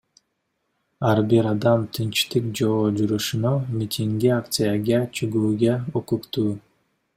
Ар бир адам тынчтык жөө жүрүшүнө, митингге, акцияга чыгууга укуктуу.